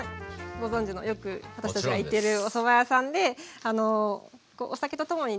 ご存じのよく私たちが行ってるおそば屋さんでこうお酒と共に出てくる感じ。